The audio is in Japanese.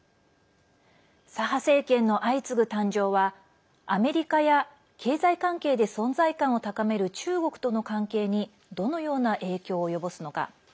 左派政権の相次ぐ誕生はアメリカや経済関係で存在感を高める中国との関係にどのような影響を及ぼすのか。